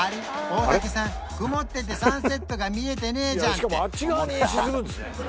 大竹さん曇っててサンセットが見えてねえじゃんって思った？